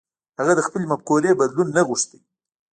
هغه د خپلې مفکورې بدلول نه غوښتل.